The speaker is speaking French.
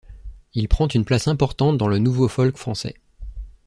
Il prend une place importante dans le nouveau folk français.